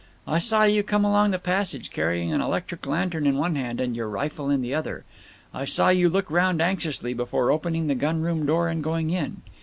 I saw you come along the passage, carrying an electric lantern in one hand and your rifle in the other. I saw you look round anxiously before opening the gun room door and going in.